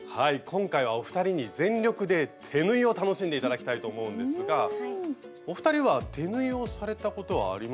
今回はお二人に全力で手縫いを楽しんでいただきたいと思うんですがお二人は手縫いをされたことはありますか？